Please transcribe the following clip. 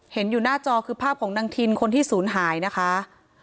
เห็นอยู่หน้าจอคือภาพของนางทินคนที่ศูนย์หายนะคะ